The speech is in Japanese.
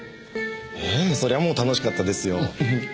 ええそりゃもう楽しかったですよ。